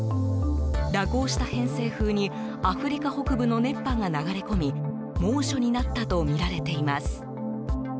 蛇行した偏西風にアフリカ北部の熱波が流れ込み猛暑になったとみられています。